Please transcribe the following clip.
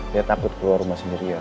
dia takut keluar rumah sendirian